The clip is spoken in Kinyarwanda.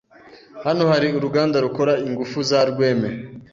Hano hari uruganda rukora ingufu za Rweme.